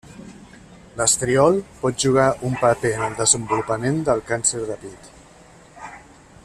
L'estriol pot jugar un paper en el desenvolupament del càncer de pit.